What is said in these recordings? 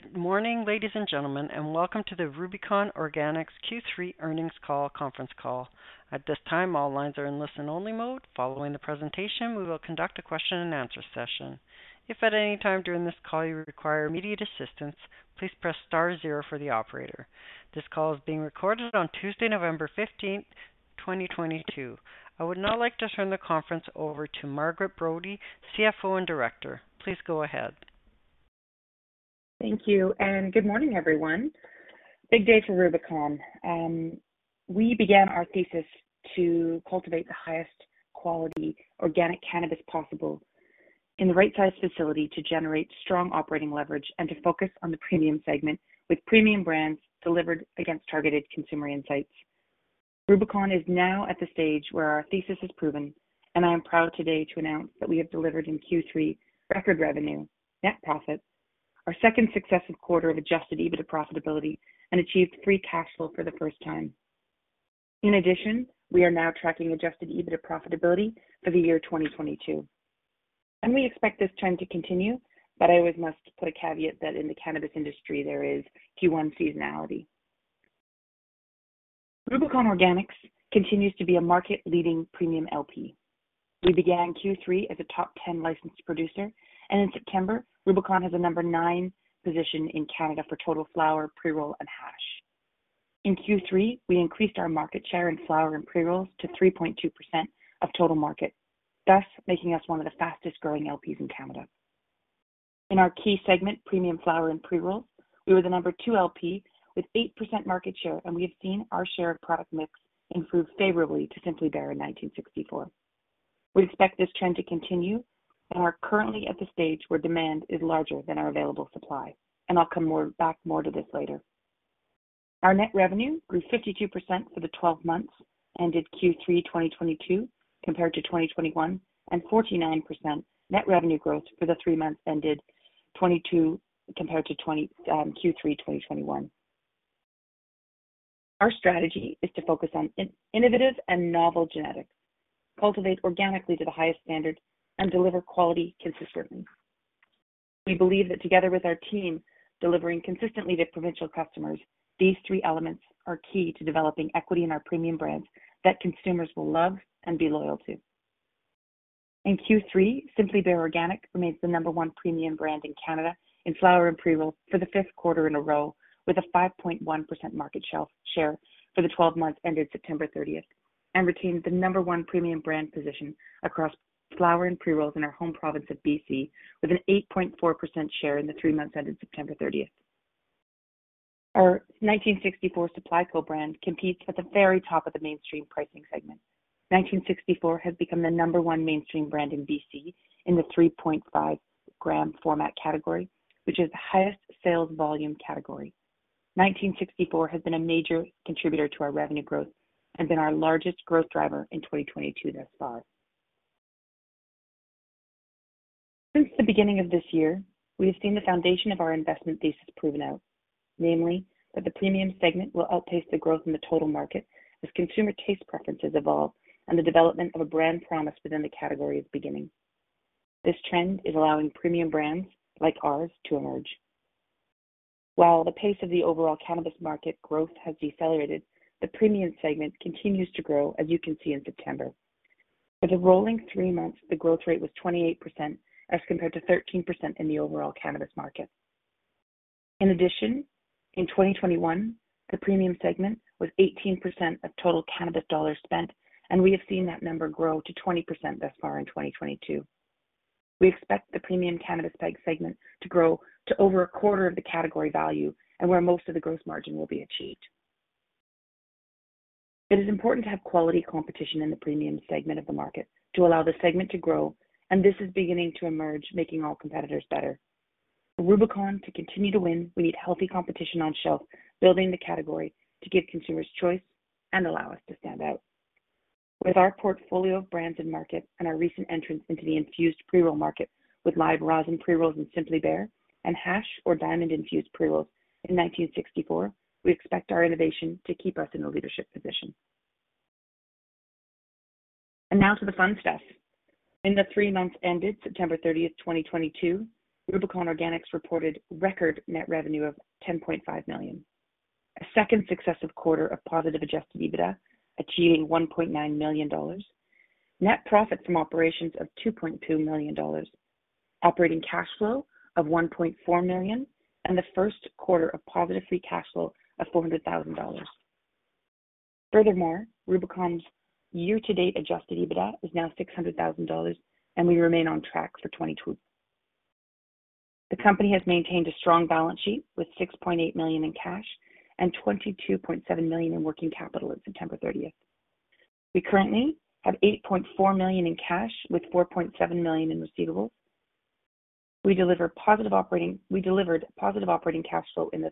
Good morning, ladies and gentlemen, and welcome to the Rubicon Organics Q3 earnings conference call. At this time, all lines are in listen-only mode. Following the presentation, we will conduct a question-and-answer session. If at any time during this call you require immediate assistance, please press star zero for the operator. This call is being recorded on Tuesday, November 15th, 2022. I would now like to turn the call over to Margaret Brodie, CFO, and Director. Please go ahead. Thank you and good morning, everyone. Big day for Rubicon. We began our thesis to cultivate the highest quality organic cannabis possible in the right-sized facility to generate strong operating leverage and to focus on the premium segment with premium brands delivered against targeted consumer insights. Rubicon is now at the stage where our thesis is proven, and I am proud today to announce that we have delivered in Q3 record revenue, net profit, our second successive quarter of adjusted EBITDA profitability, and achieved free cash flow for the first time. In addition, we are now tracking adjusted EBITDA profitability for the year 2022, and we expect this trend to continue, but I always must put a caveat that in the cannabis industry there is Q1 seasonality. Rubicon Organics continues to be a market-leading premium LP. We began Q3 as a top 10 licensed producer, and in September, Rubicon has a number nine position in Canada for total flower, pre-roll, and hash. In Q3, we increased our market share in flower and pre-rolls to 3.2% of total market, thus making us one of the fastest-growing LPs in Canada. In our key segment, premium flower and pre-rolls, we were the number two LP with 8% market share, and we have seen our share of product mix improve favorably to Simply Bare and 1964. We expect this trend to continue and are currently at the stage where demand is larger than our available supply. I'll come back more to this later. Our net revenue grew 52% for the twelve months ended Q3 2022 compared to 2021, and 49% net revenue growth for the three months ended Q3 2022 compared to Q3 2021. Our strategy is to focus on innovative and novel genetics, cultivate organically to the highest standards, and deliver quality consistently. We believe that together with our team, delivering consistently to provincial customers, these three elements are key to developing equity in our premium brands that consumers will love and be loyal to. In Q3, Simply Bare Organic remains the number one premium brand in Canada in flower and pre-roll for the fifth quarter in a row, with a 5.1% market shelf share for the twelve months ended September 30th, and retains the number one premium brand position across flower and pre-rolls in our home province of BC, with an 8.4% share in the three months ended September 30th. Our 1964 Supply Co. brand competes at the very top of the mainstream pricing segment. 1964 has become the number one mainstream brand in BC in the 3.5 g format category, which is the highest sales volume category. 1964 has been a major contributor to our revenue growth and been our largest growth driver in 2022 thus far. Since the beginning of this year, we have seen the foundation of our investment thesis proven out, namely that the premium segment will outpace the growth in the total market as consumer taste preferences evolve and the development of a brand promise within the category is beginning. This trend is allowing premium brands like ours to emerge. While the pace of the overall cannabis market growth has decelerated, the premium segment continues to grow, as you can see in September. For the rolling three months, the growth rate was 28%, as compared to 13% in the overall cannabis market. In addition, in 2021, the premium segment was 18% of total cannabis dollars spent, and we have seen that number grow to 20% thus far in 2022. We expect the premium cannabis segment to grow to over a quarter of the category value and where most of the gross margin will be achieved. It is important to have quality competition in the premium segment of the market to allow the segment to grow, and this is beginning to emerge, making all competitors better. For Rubicon to continue to win, we need healthy competition on shelf, building the category to give consumers choice and allow us to stand out. With our portfolio of brands and market and our recent entrance into the infused pre-roll market with live rosin pre-rolls in Simply Bare and hash or diamond-infused pre-rolls in 1964, we expect our innovation to keep us in a leadership position. Now to the fun stuff. In the three months ended September 30th, 2022, Rubicon Organics reported record net revenue of 10.5 million, a second successive quarter of positive adjusted EBITDA, achieving 1.9 million dollars, net profit from operations of 2.2 million dollars, operating cash flow of 1.4 million, and the first quarter of positive free cash flow of 400 thousand dollars. Furthermore, Rubicon's year-to-date adjusted EBITDA is now 600,000 dollars, and we remain on track for 2022. The company has maintained a strong balance sheet with 6.8 million in cash and 22.7 million in working capital at September 30th. We currently have 8.4 million in cash with 4.7 million in receivables. We delivered positive operating cash flow in the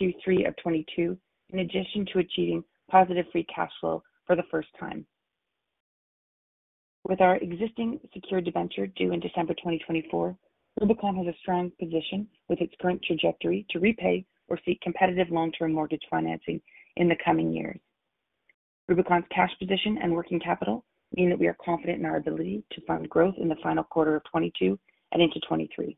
Q3 of 2022, in addition to achieving positive free cash flow for the first time. With our existing secured debenture due in December 2024, Rubicon has a strong position with its current trajectory to repay or seek competitive long-term mortgage financing in the coming years. Rubicon's cash position and working capital mean that we are confident in our ability to fund growth in the final quarter of 2022 and into 2023.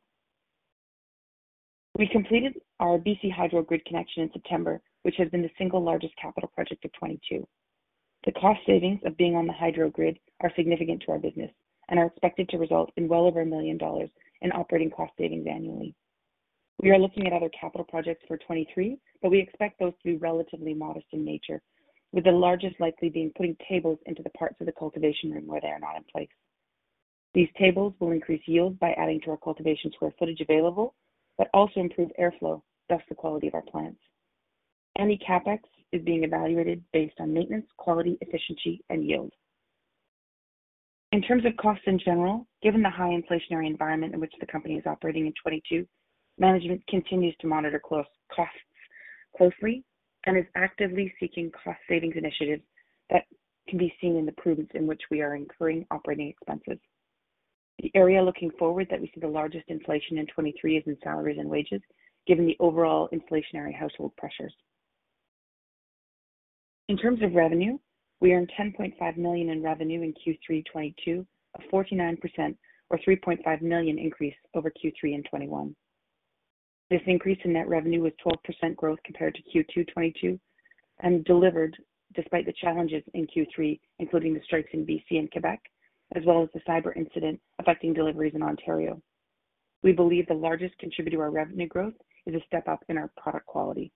We completed our BC Hydro grid connection in September, which has been the single largest capital project of 2022. The cost savings of being on the hydro grid are significant to our business and are expected to result in well over 1 million dollars in operating cost savings annually. We are looking at other capital projects for 2023, but we expect those to be relatively modest in nature, with the largest likely being putting tables into the parts of the cultivation room where they are not in place. These tables will increase yield by adding to our cultivation square footage available, but also improve airflow, thus the quality of our plants. Any CapEx is being evaluated based on maintenance, quality, efficiency, and yield. In terms of costs in general, given the high inflationary environment in which the company is operating in 2022, management continues to monitor costs closely and is actively seeking cost savings initiatives that can be seen in the prudence in which we are incurring operating expenses. The area looking forward that we see the largest inflation in 2023 is in salaries and wages, given the overall inflationary household pressures. In terms of revenue, we earned 10.5 million in revenue in Q3 2022, a 49% or 3.5 million increase over Q3 in 2021. This increase in net revenue was 12% growth compared to Q2 2022 and delivered despite the challenges in Q3, including the strikes in BC and Quebec, as well as the cyber incident affecting deliveries in Ontario. We believe the largest contributor to our revenue growth is a step-up in our product quality.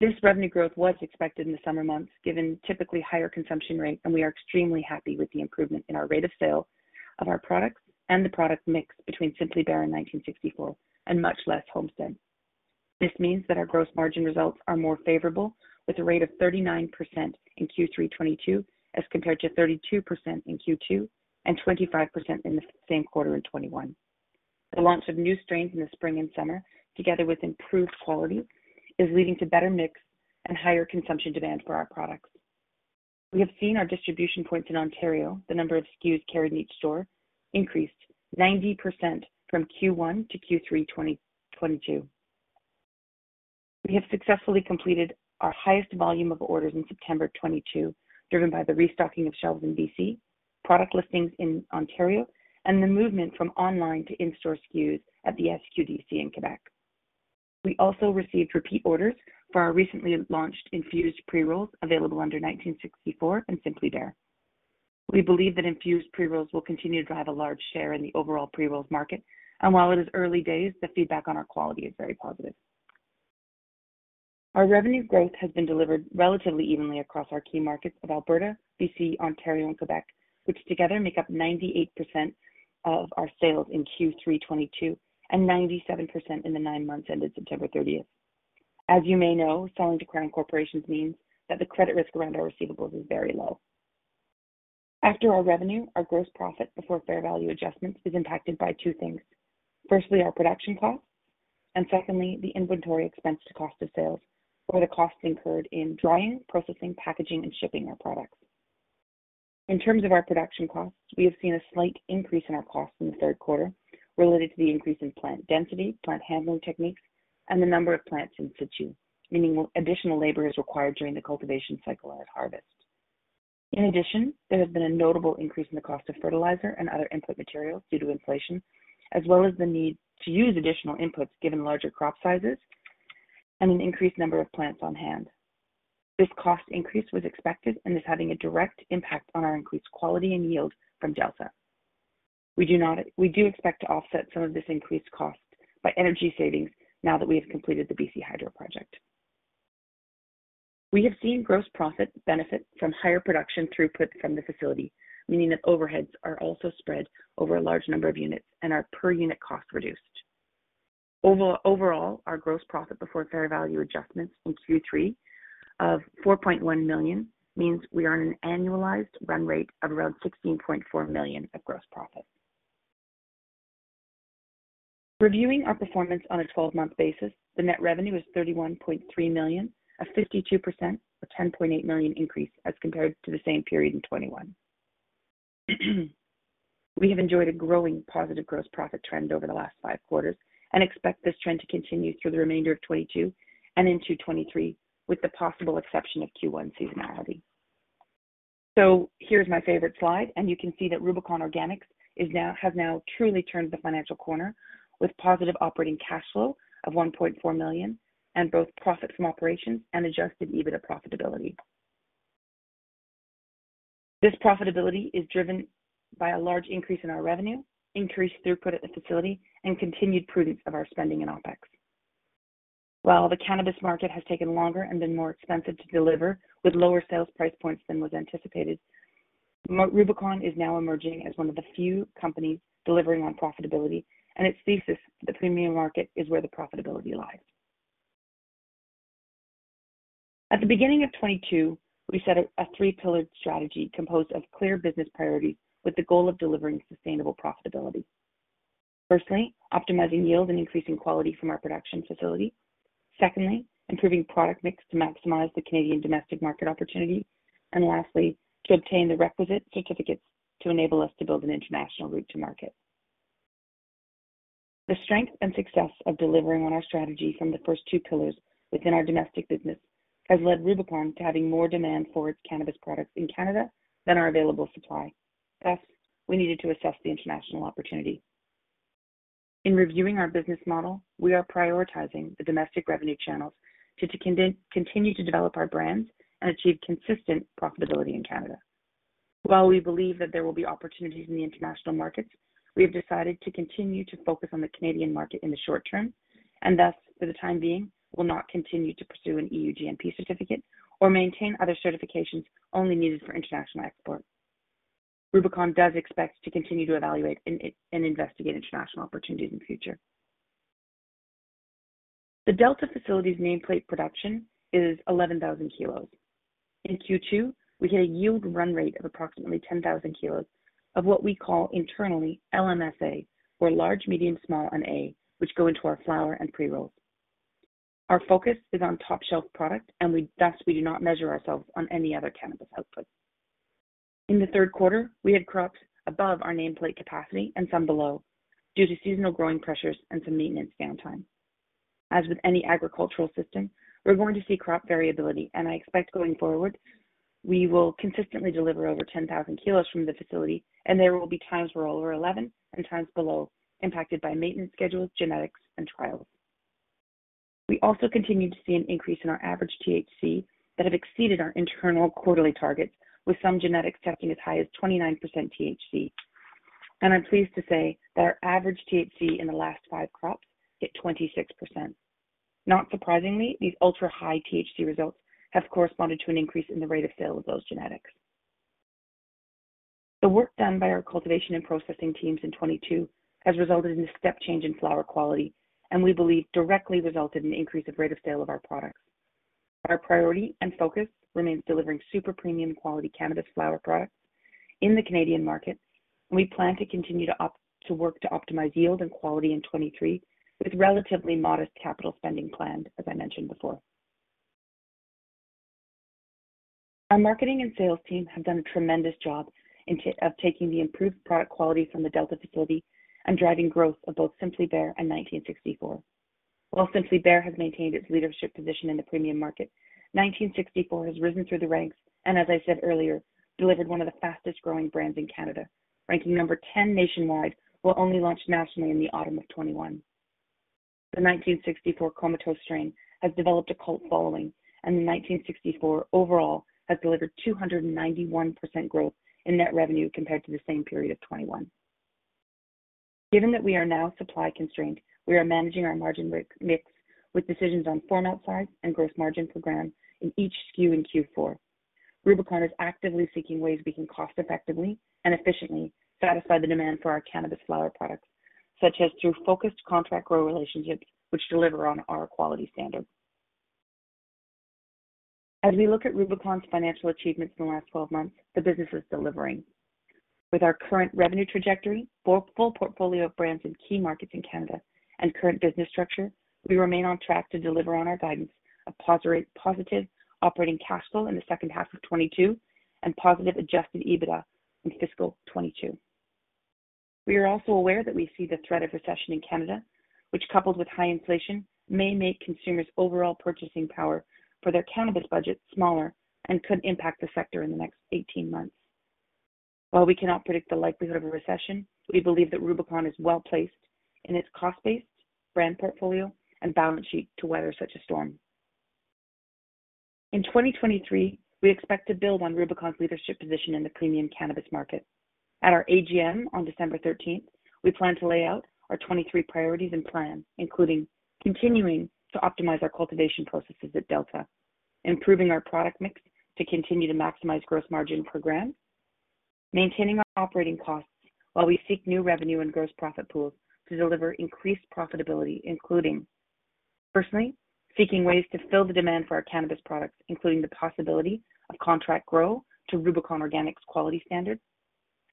This revenue growth was expected in the summer months, given typically higher consumption rate, and we are extremely happy with the improvement in our rate of sale of our products and the product mix between Simply Bare and 1964, and much less Homestead. This means that our gross margin results are more favorable with a rate of 39% in Q3 2022, as compared to 32% in Q2 and 25% in the same quarter in 2021. The launch of new strains in the spring and summer, together with improved quality, is leading to better mix and higher consumption demand for our products. We have seen our distribution points in Ontario, the number of SKUs carried in each store, increased 90% from Q1 to Q3 2022. We have successfully completed our highest volume of orders in September 2022, driven by the restocking of shelves in BC, product listings in Ontario, and the movement from online to in-store SKUs at the SQDC in Quebec. We also received repeat orders for our recently launched infused pre-rolls available under 1964 and Simply Bare. We believe that infused pre-rolls will continue to drive a large share in the overall pre-rolls market. While it is early days, the feedback on our quality is very positive. Our revenue growth has been delivered relatively evenly across our key markets of Alberta, BC, Ontario, and Quebec, which together make up 98% of our sales in Q3 2022 and 97% in the nine months ended September 30th. As you may know, selling to Crown corporations means that the credit risk around our receivables is very low. After our revenue, our gross profit before fair value adjustments is impacted by two things. Firstly, our production costs, and secondly, the inventory expense to cost of sales, or the costs incurred in drying, processing, packaging, and shipping our products. In terms of our production costs, we have seen a slight increase in our costs in the third quarter related to the increase in plant density, plant handling techniques, and the number of plants in situ, meaning additional labor is required during the cultivation cycle at harvest. In addition, there has been a notable increase in the cost of fertilizer and other input materials due to inflation, as well as the need to use additional inputs given larger crop sizes and an increased number of plants on-hand. This cost increase was expected and is having a direct impact on our increased quality and yield from Delta. We do expect to offset some of this increased cost by energy savings now that we have completed the BC Hydro project. We have seen gross profit benefit from higher production throughput from the facility, meaning that overheads are also spread over a large number of units and our per-unit cost reduced. Overall, our gross profit before fair value adjustments in Q3 of 4.1 million means we are on an annualized run rate of around 16.4 million of gross profit. Reviewing our performance on a 12-month basis, the net revenue is 31.3 million, a 52% or 10.8 million increase as compared to the same period in 2021. We have enjoyed a growing positive gross profit trend over the last five quarters and expect this trend to continue through the remainder of 2022 and into 2023, with the possible exception of Q1 seasonality. Here's my favorite slide, and you can see that Rubicon Organics has now truly turned the financial corner with positive operating cash flow of 1.4 million and both profit from operations and adjusted EBITDA profitability. This profitability is driven by a large increase in our revenue, increased throughput at the facility, and continued prudence of our spending and OpEx. While the cannabis market has taken longer and been more expensive to deliver with lower sales price points than was anticipated, Rubicon is now emerging as one of the few companies delivering on profitability and its thesis, the premium market is where the profitability lies. At the beginning of 2022, we set a three-pillared strategy composed of clear business priorities with the goal of delivering sustainable profitability. Firstly, optimizing yield and increasing quality from our production facility. Secondly, improving product mix to maximize the Canadian domestic market opportunity. Lastly, to obtain the requisite certificates to enable us to build an international route to market. The strength and success of delivering on our strategy from the first two pillars within our domestic business has led Rubicon to having more demand for its cannabis products in Canada than our available supply. Thus, we needed to assess the international opportunity. In reviewing our business model, we are prioritizing the domestic revenue channels to continue to develop our brands and achieve consistent profitability in Canada. While we believe that there will be opportunities in the international markets, we have decided to continue to focus on the Canadian market in the short term and thus, for the time being, will not continue to pursue an EU GMP certificate or maintain other certifications only needed for international export. Rubicon does expect to continue to evaluate and investigate international opportunities in future. The Delta facility's nameplate production is 11,000 kg. In Q2, we hit a yield run rate of approximately 10,000 kg of what we call internally LMSA, or large, medium, small, and A, which go into our flower and pre-rolls. Our focus is on top-shelf product, and thus we do not measure ourselves on any other cannabis output. In the third quarter, we had crops above our nameplate capacity and some below due to seasonal growing pressures and some maintenance downtime. As with any agricultural system, we're going to see crop variability, and I expect going forward, we will consistently deliver over 10,000 kilos from the facility, and there will be times we're over 11 and times below, impacted by maintenance schedules, genetics, and trials. We also continue to see an increase in our average THC that have exceeded our internal quarterly targets, with some genetics testing as high as 29% THC. I'm pleased to say that our average THC in the last five crops hit 26%. Not surprisingly, these ultra-high THC results have corresponded to an increase in the rate of sale of those genetics. The work done by our cultivation and processing teams in 2022 has resulted in a step change in flower quality and we believe directly resulted in an increase of rate of sale of our products. Our priority and focus remains delivering super premium quality cannabis flower products in the Canadian market. We plan to continue to work to optimize yield and quality in 2023 with relatively modest capital spending planned, as I mentioned before. Our marketing and sales team have done a tremendous job in terms of taking the improved product quality from the Delta facility and driving growth of both Simply Bare and 1964. While Simply Bare has maintained its leadership position in the premium market, 1964 has risen through the ranks and, as I said earlier, delivered one of the fastest-growing brands in Canada, ranking number 10 nationwide, while only launched nationally in the autumn of 2021. The 1964 Comatose strain has developed a cult following, and 1964 overall has delivered 291% growth in net revenue compared to the same period of 2021. Given that we are now supply-constrained, we are managing our margin mix with decisions on format size and gross margin per gram in each SKU in Q4. Rubicon is actively seeking ways we can cost-effectively and efficiently satisfy the demand for our cannabis flower products, such as through focused contract grow relationships which deliver on our quality standards. As we look at Rubicon's financial achievements in the last 12 months, the business is delivering. With our current revenue trajectory, full portfolio of brands in key markets in Canada, and current business structure, we remain on track to deliver on our guidance of positive operating cash flow in the second half of 2022 and positive adjusted EBITDA in fiscal 2022. We are also aware that we see the threat of recession in Canada, which, coupled with high inflation, may make consumers' overall purchasing power for their cannabis budget smaller and could impact the sector in the next 18 months. While we cannot predict the likelihood of a recession, we believe that Rubicon is well-placed in its cost base, brand portfolio, and balance sheet to weather such a storm. In 2023, we expect to build on Rubicon's leadership position in the premium cannabis market. At our AGM on December 13th, we plan to lay out our 2023 priorities and plans, including continuing to optimize our cultivation processes at Delta, improving our product mix to continue to maximize gross margin per gram, maintaining our operating costs while we seek new revenue and gross profit pools to deliver increased profitability, including, firstly, seeking ways to fill the demand for our cannabis products, including the possibility of contract grow to Rubicon Organics' quality standards.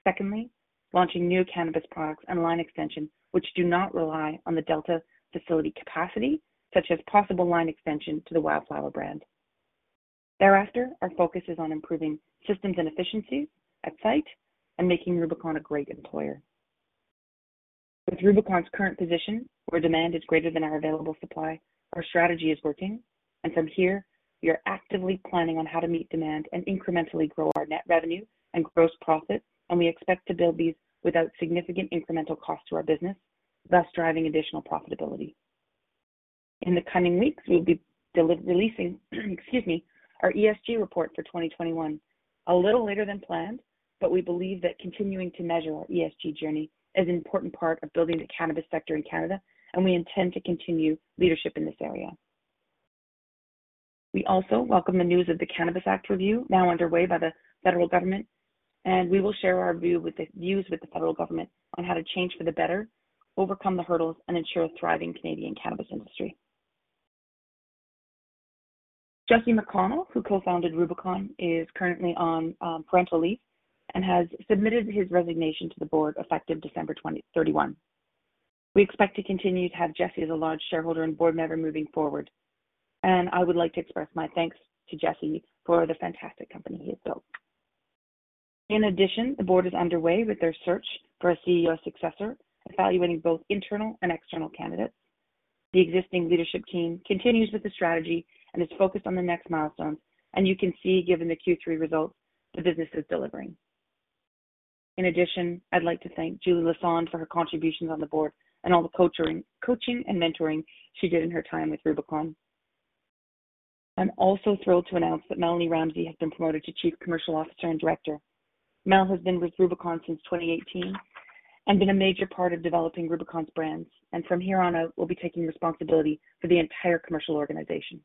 Secondly, launching new cannabis products and line extensions which do not rely on the Delta facility capacity, such as possible line extension to the Wildflower brand. Thereafter, our focus is on improving systems and efficiencies at site and making Rubicon a great employer. With Rubicon's current position, where demand is greater than our available supply, our strategy is working, and from here, we are actively planning on how to meet demand and incrementally grow our net revenue and gross profit, and we expect to build these without significant incremental cost to our business, thus driving additional profitability. In the coming weeks, we'll be releasing our ESG report for 2021. A little later than planned, but we believe that continuing to measure our ESG journey is an important part of building the cannabis sector in Canada, and we intend to continue leadership in this area. We also welcome the news of the Cannabis Act review now underway by the federal government, and we will share our views with the federal government on how to change for the better, overcome the hurdles, and ensure a thriving Canadian cannabis industry. Jesse McConnell, who co-founded Rubicon, is currently on parental leave and has submitted his resignation to the board effective December 31. We expect to continue to have Jesse as a large shareholder and board member moving forward, and I would like to express my thanks to Jesse for the fantastic company he has built. In addition, the board is underway with their search for a CEO successor, evaluating both internal and external candidates. The existing leadership team continues with the strategy and is focused on the next milestones, and you can see, given the Q3 results, the business is delivering. In addition, I'd like to thank Julie Lassonde for her contributions on the board and all the coaching and mentoring she did in her time with Rubicon. I'm also thrilled to announce that Melanie Ramsey has been promoted to Chief Commercial Officer and Director. Mel has been with Rubicon since 2018 and been a major part of developing Rubicon's brands, and from here on out, will be taking responsibility for the entire commercial organization.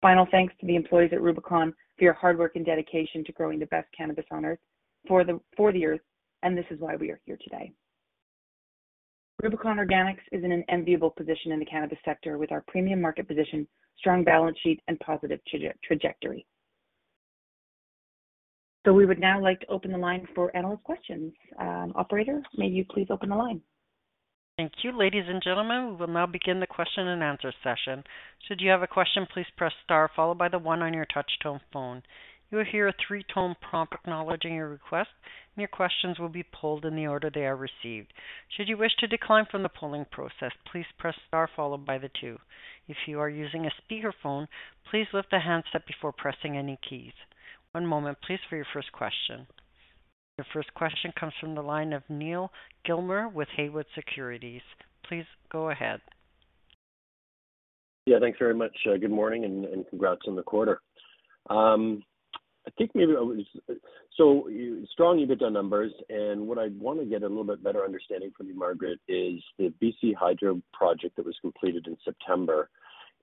Final thanks to the employees at Rubicon for your hard work and dedication to growing the best cannabis on Earth for the Earth, and this is why we are here today. Rubicon Organics is in an enviable position in the cannabis sector with our premium market position, strong balance sheet, and positive trajectory. We would now like to open the line for analyst questions. Operator, may you please open the line. Thank you. Ladies and gentlemen, we will now begin the question and answer session. Should you have a question, please press star followed by the one on your touch tone phone. You will hear a three-tone prompt acknowledging your request, and your questions will be polled in the order they are received. Should you wish to decline from the polling process, please press star followed by the two. If you are using a speakerphone, please lift the handset before pressing any keys. One moment, please, for your first question. Your first question comes from the line of Neal Gilmer with Haywood Securities. Please go ahead. Yeah, thanks very much. Good morning, congrats on the quarter. Strong EBITDA numbers, and what I want to get a little bit better understanding from you, Margaret, is the BC Hydro project that was completed in September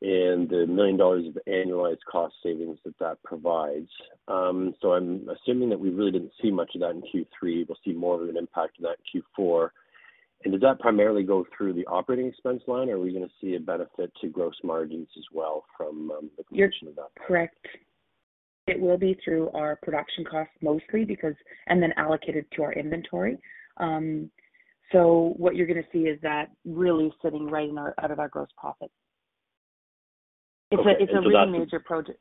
and the 1 million dollars of annualized cost savings that that provides. I'm assuming that we really didn't see much of that in Q3. We'll see more of an impact of that in Q4. Does that primarily go through the operating expense line, or are we going to see a benefit to gross margins as well from the completion of that? You're correct. It will be through our production costs mostly because, and then allocated to our inventory. What you're going to see is that really sitting right in our, out of our gross profit. Okay. It's a really major project.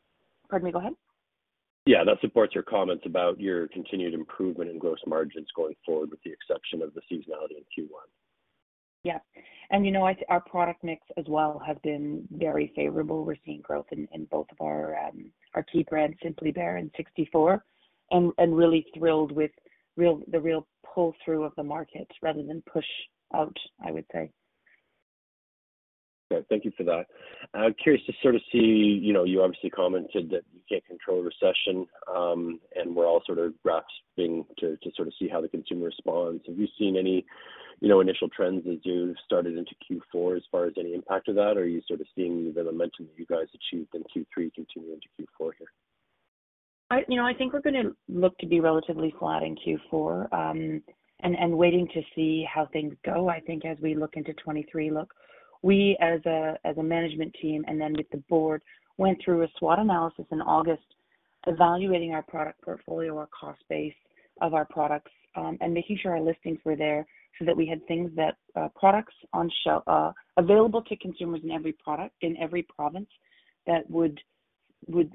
Pardon me, go ahead. Yeah, that supports your comments about your continued improvement in gross margins going forward with the exception of the seasonality in Q1. Yeah. You know what? Our product mix as well have been very favorable. We're seeing growth in both of our key brands, Simply Bare and 1964, and really thrilled with the real pull-through of the markets rather than push out, I would say. Thank you for that. I'm curious to sort of see, you know, you obviously commented that you can't control a recession, and we're all sort of grasping to sort of see how the consumer responds. Have you seen any, you know, initial trends as you've started into Q4 as far as any impact of that? Or are you sort of seeing the momentum that you guys achieved in Q3 continue into Q4 here? You know, I think we're going to look to be relatively flat in Q4, and waiting to see how things go, I think, as we look into 2023. Look, we as a management team and then with the board went through a SWOT analysis in August evaluating our product portfolio, our cost base of our products, and making sure our listings were there so that we had products on shelf available to consumers in every product, in every province that would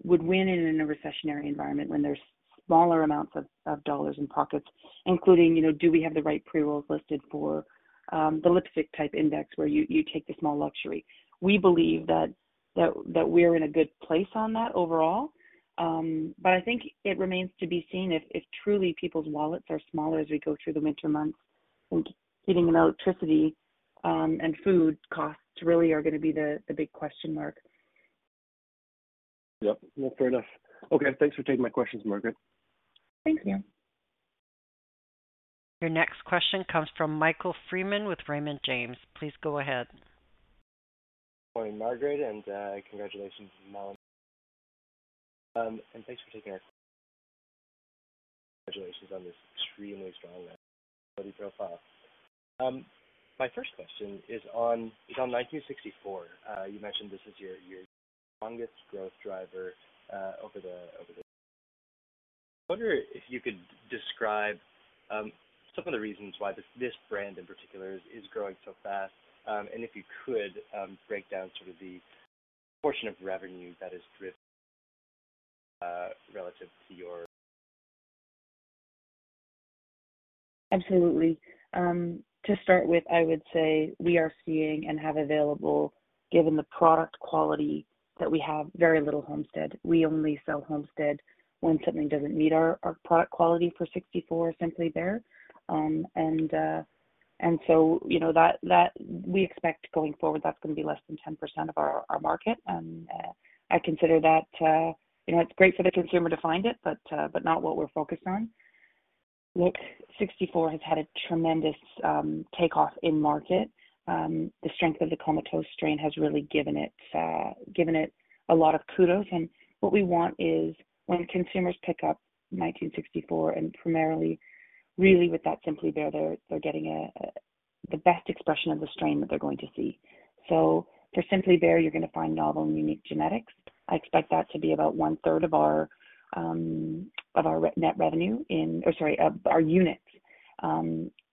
win in a recessionary environment when there's smaller amounts of dollars in pockets, including, you know, do we have the right pre-rolls listed for the lipstick-type index where you take the small luxury. We believe that we're in a good place on that overall. I think it remains to be seen if truly people's wallets are smaller as we go through the winter months and heating and electricity, and food costs really are going to be the big question mark. Yep. No, fair enough. Okay. Thanks for taking my questions, Margaret. Thank you. Your next question comes from Michael Freeman with Raymond James. Please go ahead. Morning, Margaret, and congratulations, Mel. Thanks for taking it. Congratulations on this extremely strong profile. My first question is on 1964. You mentioned this is your strongest growth driver over the. I wonder if you could describe some of the reasons why this brand in particular is growing so fast. If you could break down sort of the portion of revenue that is relative to your- Absolutely. To start with, I would say we are seeing and have available, given the product quality that we have very little Homestead. We only sell Homestead when something doesn't meet our product quality for 1964 or Simply Bare. You know, that we expect going forward, that's going to be less than 10% of our market. I consider that, you know, it's great for the consumer to find it, but not what we're focused on. Look, 1964 has had a tremendous take-off in market. The strength of the Comatose strain has really given it a lot of kudos. What we want is when consumers pick up 1964 and primarily really with that Simply Bare, they're getting the best expression of the strain that they're going to see. For Simply Bare, you're going to find novel and unique genetics. I expect that to be about one-third of our units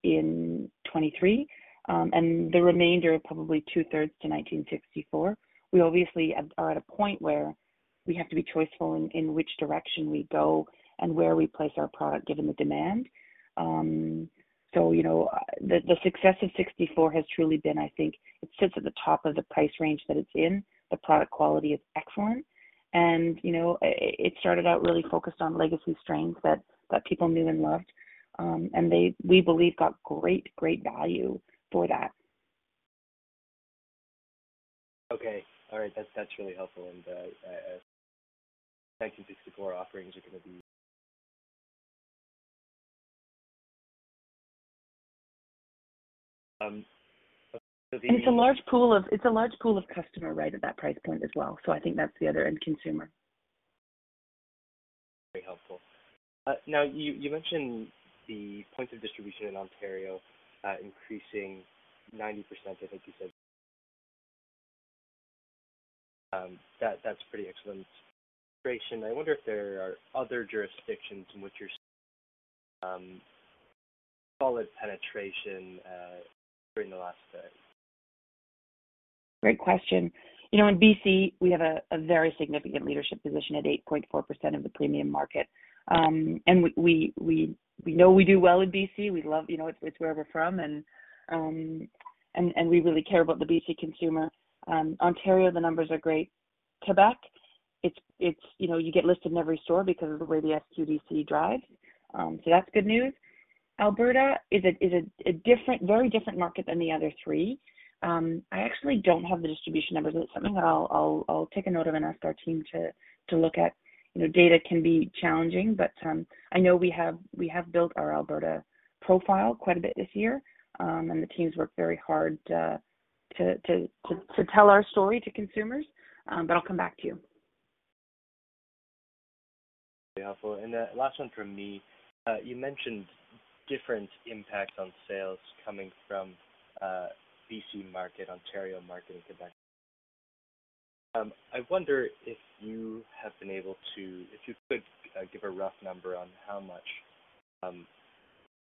in 2023, and the remainder probably two-thirds to 1964. We are at a point where we have to be choiceful in which direction we go and where we place our product given the demand. You know, the success of 1964 has truly been, I think it sits at the top of the price range that it's in. The product quality is excellent. You know, it started out really focused on legacy strains that people knew and loved. We believe got great value for that. Okay. All right. That's really helpful. 1964 offerings are gonna be. It's a large pool of customers right at that price point as well. I think that's the other end consumer. Very helpful. Now you mentioned the points of distribution in Ontario increasing 90%, I think you said. That's pretty excellent penetration. I wonder if there are other jurisdictions in which you're solid penetration during the last. Great question. You know, in BC, we have a very significant leadership position at 8.4% of the premium market. We know we do well in BC. We love it. You know, it's where we're from and we really care about the BC consumer. Ontario, the numbers are great. Quebec, it's you know, you get listed in every store because of the way the SQDC drives. That's good news. Alberta is a very different market than the other three. I actually don't have the distribution numbers. It's something that I'll take a note of and ask our team to look at. You know, data can be challenging, but I know we have built our Alberta profile quite a bit this year. The teams work very hard to tell our story to consumers. I'll come back to you. Very helpful. Last one from me. You mentioned different impacts on sales coming from BC market, Ontario market, and Quebec. I wonder if you could give a rough number on how much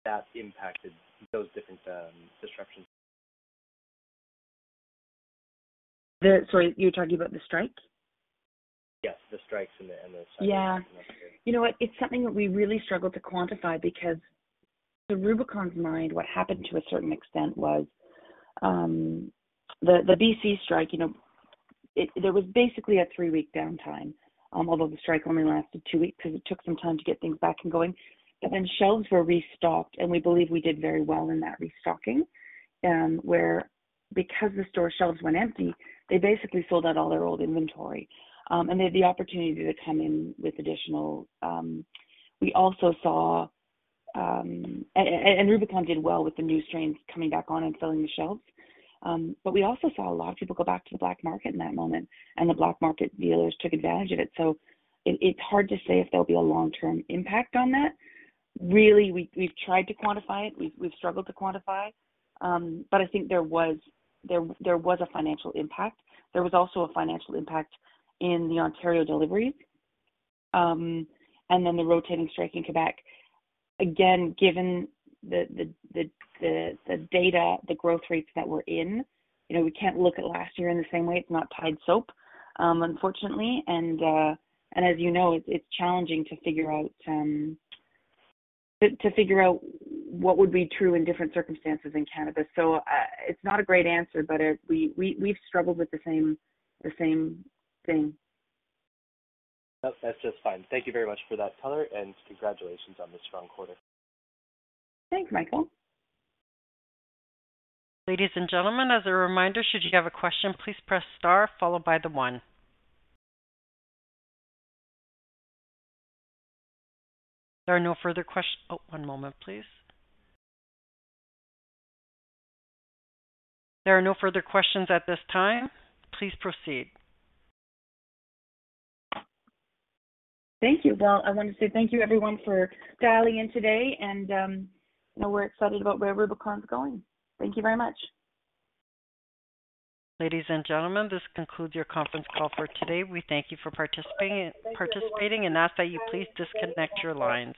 that impacted those different disruptions. Sorry, you're talking about the strikes? Yes, the strikes and the. Yeah. You know what? It's something that we really struggle to quantify because to Rubicon's mind, what happened to a certain extent was the BC strike, you know. There was basically a three-week downtime, although the strike only lasted two weeks because it took some time to get things back and going. Shelves were restocked, and we believe we did very well in that restocking, where because the store shelves went empty, they basically sold out all their old inventory. They had the opportunity to come in with additional. We also saw and Rubicon did well with the new strains coming back on and filling the shelves. We also saw a lot of people go back to the black market in that moment, and the black market dealers took advantage of it. It's hard to say if there'll be a long-term impact on that. Really, we've tried to quantify it, we've struggled to quantify. I think there was a financial impact. There was also a financial impact in the Ontario deliveries, and then the rotating strike in Quebec. Again, given the data, the growth rates that we're in, you know, we can't look at last year in the same way. It's not Tide soap, unfortunately. As you know, it's challenging to figure out what would be true in different circumstances in cannabis. It's not a great answer, but we've struggled with the same thing. No, that's just fine. Thank you very much for that color, and congratulations on the strong quarter. Thanks, Michael. Ladies and gentlemen, as a reminder, should you have a question, please press star followed by the one. Oh, one moment, please. If there are no further questions at this time, please proceed. Thank you. Well, I want to say thank you everyone for dialing in today, and, you know, we're excited about where Rubicon's going. Thank you very much. Ladies and gentlemen, this concludes your conference call for today. We thank you for participating and ask that you please disconnect your lines.